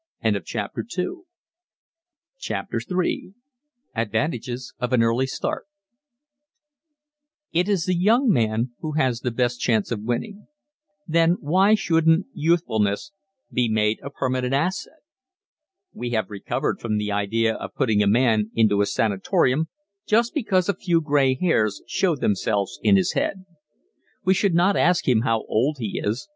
CHAPTER III ADVANTAGES OF AN EARLY START It is the young man who has the best chance of winning. Then why shouldn't youthfulness be made a permanent asset? We have recovered from the idea of putting a man into a sanatorium just because a few grey hairs show themselves in his head. We should not ask him how old he is